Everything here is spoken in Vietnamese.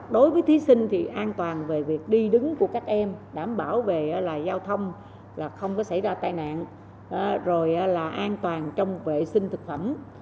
đối với thí sinh thì an toàn về việc đi đứng của các em đảm bảo về giao thông không có xảy ra tai nạn an toàn trong vệ sinh thực phẩm